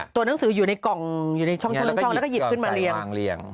ตัวหนังสืออยู่ในกล่องอยู่ในช่องแล้วก็หยิบขึ้นมาเรียง